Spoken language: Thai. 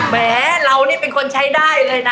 แหมเรานี่เป็นคนใช้ได้เลยนะ